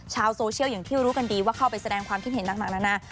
ชาวโซเชียลอย่างที่รู้กันดีว่าเข้าไปแสดงความคิดเห็นต่างนานา